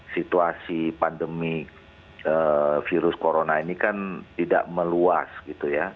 situasi pandemi virus corona ini kan tidak meluas gitu ya